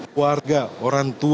untuk keluarga orang tua